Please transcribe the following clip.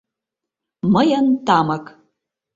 Мыйын тамык!..